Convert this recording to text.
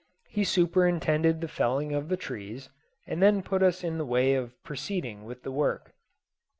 He superintended the felling of the trees, and then put us in the way of proceeding with the work.